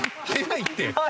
早いって！